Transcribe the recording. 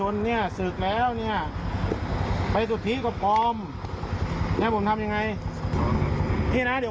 นี่นะฮะหนึ่งสืบขังไปกระมิสืบให้นี่นะฮะ